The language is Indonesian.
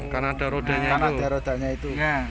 karena ada rodanya itu